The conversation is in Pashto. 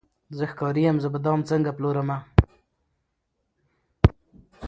زه ښکاري یم زه به دام څنګه پلورمه